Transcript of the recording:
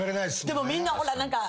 でもみんな何か。